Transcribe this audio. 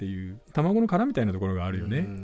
卵の殻みたいなところがあるよね。